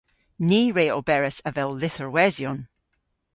Ni re oberas avel lytherwesyon.